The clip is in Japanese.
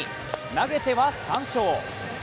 投げては３勝。